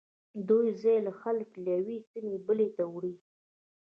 دوی ځایی خلک له یوې سیمې بلې ته وړي